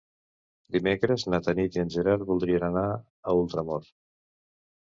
Dimecres na Tanit i en Gerard voldrien anar a Ultramort.